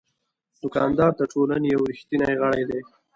دوکاندار د ټولنې یو ریښتینی غړی دی.